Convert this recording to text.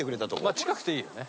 まあ近くていいよね。